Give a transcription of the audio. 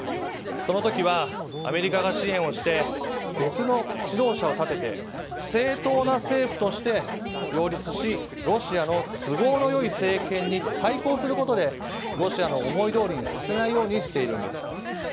その時はアメリカが支援をして別の指導者を立てて正統な政府として擁立しロシアの都合のよい政権に対抗することでロシアの思いどおりにさせないようにしているんです。